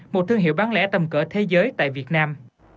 một thương hiệu bán lẻ tầm cỡ thế giới tại việt nam